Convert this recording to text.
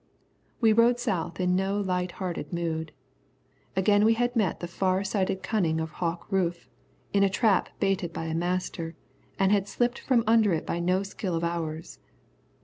We rode south in no light hearted mood. Again we had met the far sighted cunning of Hawk Rufe, in a trap baited by a master, and had slipped from under it by no skill of ours.